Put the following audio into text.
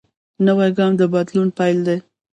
نوی ګام د بدلون پیل دی